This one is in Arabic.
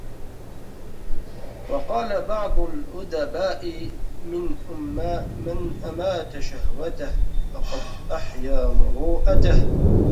وَقَالَ بَعْضُ الْأُدَبَاءِ مَنْ أَمَاتَ شَهْوَتَهُ ، فَقَدْ أَحْيَا مُرُوءَتَهُ